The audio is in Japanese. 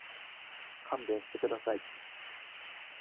勘弁してください。